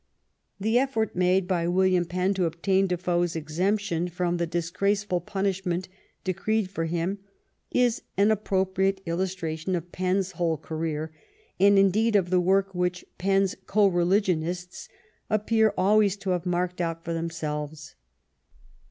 The effort made by William Penn to obtain Defoe's exemption from the disgraceful punishment decreed for him is an appropriate illustration of Penn's whole career, and indeed of the work which Penn's co religionists appear always to have marked out for themselves.